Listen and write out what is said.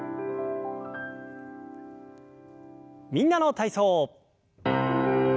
「みんなの体操」。